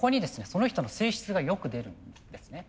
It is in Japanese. その人の性質がよく出るんですね。